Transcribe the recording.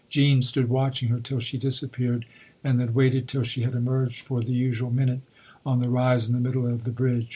Jean stood watching her till she disappeared and then waited till she had emerged for the usual minute on the rise in the middle of the bridge.